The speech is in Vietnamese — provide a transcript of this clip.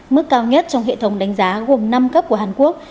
mức cao nhất trong hệ thống đánh giá gồm năm cấp của hàn quốc